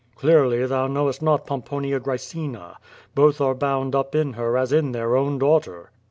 "Clearly thou knowest not Pomponia Qraecina. Both are bound up in her as in their own daughter."